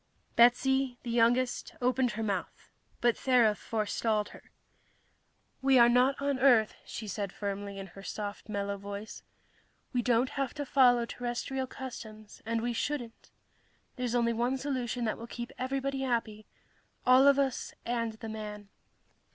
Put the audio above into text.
Betsy, the youngest, opened her mouth, but Thera forestalled her. "We are not on Earth," she said firmly, in her soft, mellow voice. "We don't have to follow terrestrial customs, and we shouldn't. There's only one solution that will keep everybody happy all of us and the man."